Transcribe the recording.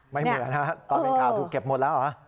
ไม่เหมือนนะตอนเป็นข่าวถูกเก็บหมดแล้วเหรอ